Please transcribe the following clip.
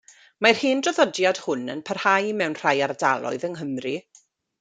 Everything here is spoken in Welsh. Mae'r hen draddodiad hwn yn parhau mewn rhai ardaloedd yng Nghymru.